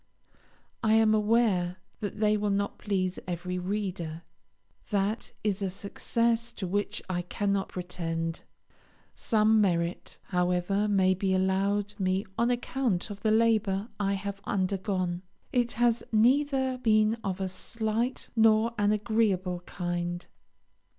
I am aware that they will not please every reader; that is a success to which I cannot pretend. Some merit, however, may be allowed me on account of the labour I have undergone. It has neither been of a slight nor an agreeable kind.